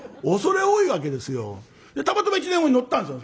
たまたま１年後に乗ったんですよ